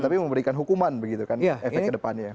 tapi memberikan hukuman begitu kan efek ke depannya